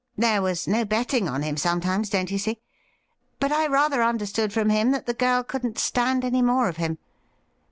There was no betting on him sometimes, don't you see. But I rather understood from him that the girl couldn't stand any more of him.